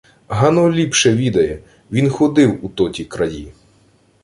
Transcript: — Гано ліпше відає. Він ходив у тоті краї.